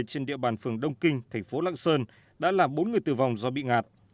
trên địa bàn phường đông kinh thành phố lạng sơn đã làm bốn người tử vong do bị ngạt